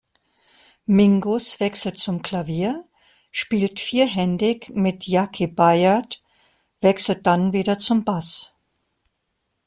Mingus wechselt zum Klavier, spielt vierhändig mit Jaki Byard, wechselt dann wieder zum Bass.